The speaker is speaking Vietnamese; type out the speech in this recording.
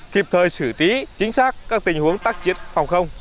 kịp thời xử trí chính xác các tình huống tác chiến phòng không